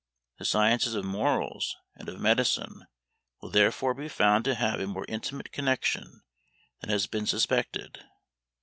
The sciences of Morals and of Medicine will therefore be found to have a more intimate connexion than has been suspected.